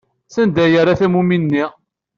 Sanda ay yerra tammumin-nni?